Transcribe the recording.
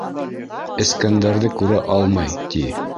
Эскәндәрҙе күрә алмай, ти.